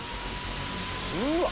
うわ。